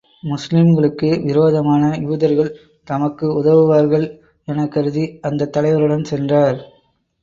முஸ்லிம்களுக்கு விரோதமான யூதர்கள் தமக்கு உதவுவார்கள் எனக் கருதி, அந்தத் தலைவரிடம் சென்றார்.